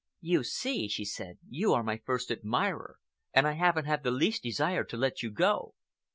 "You see," she said, "you are my first admirer, and I haven't the least desire to let you go."